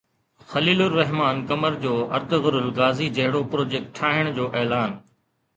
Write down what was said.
خليل الرحمان قمر جو Ertugrul Ghazi جهڙو project ٺاهڻ جو اعلان